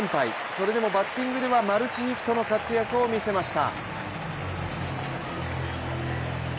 それでもバッティングではマルチヒットの活躍を見せました。